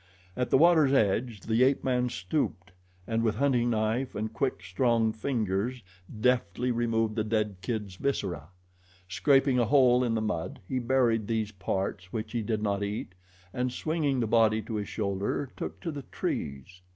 At the water's edge the ape man stooped and with hunting knife and quick strong fingers deftly removed the dead kid's viscera. Scraping a hole in the mud, he buried these parts which he did not eat, and swinging the body to his shoulder took to the trees.